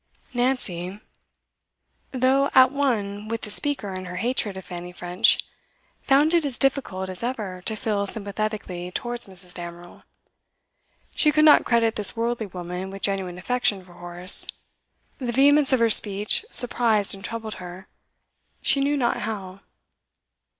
Nancy, though at one with the speaker in her hatred of Fanny French, found it as difficult as ever to feel sympathetically towards Mrs. Damerel. She could not credit this worldly woman with genuine affection for Horace; the vehemence of her speech surprised and troubled her, she knew not how.